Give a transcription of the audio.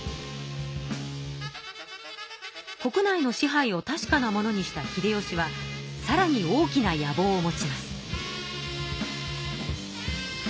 国内の支配を確かなものにした秀吉はさらに大きな野望を持ちます。